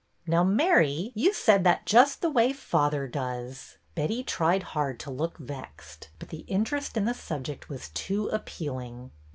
'' Now, Mary, you said that just the way father does !" Betty tried hard to look vexed, but the interest in the subject was too appealing.